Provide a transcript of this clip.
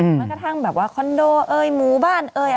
แม้กระทั่งแบบว่าคอนโดเอ่ยหมู่บ้านเอ่ย